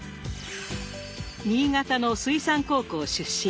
新潟の水産高校出身。